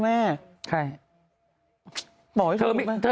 ไม่ใช่คุณแม่